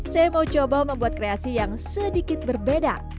saya mau coba membuat kreasi yang sedikit berbeda